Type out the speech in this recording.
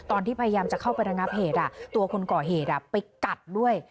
พยายามจะเข้าไประงับเหตุตัวคนก่อเหตุไปกัดด้วย